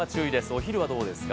お昼はどうですか？